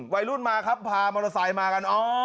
วัยรุ่นมาครับพามอเตอร์ไซค์มากัน